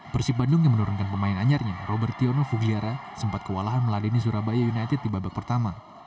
persib bandung yang menurunkan pemain anyarnya robertiono fugiara sempat kewalahan meladeni surabaya united di babak pertama